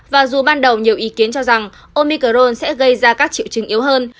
và dù ban đầu nhiều ý kiến cho rằng omicron sẽ gây ra các triệu chứng yếu hơn